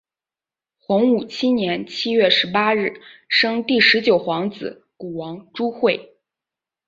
洪武七年七月十八日生第十九皇子谷王朱橞。